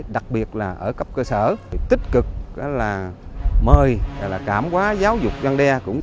đặc biệt là ở cấp cơ sở tích cực mời cảm hóa giáo dục gian đe